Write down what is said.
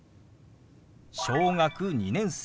「小学２年生」。